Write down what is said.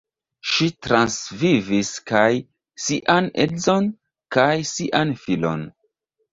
Ŝi transvivis kaj sian edzon kaj sian filon.